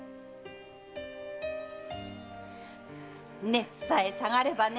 熱さえ下がればね